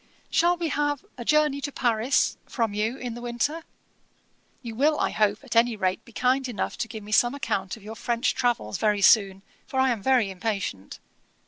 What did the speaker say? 'Shall we have A Journey to Paris from you in the winter? You will, I hope, at any rate be kind enough to give me some account of your French travels very soon, for I am very impatient.